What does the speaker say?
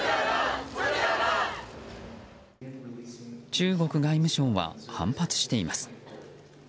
中国内務省は反発しています。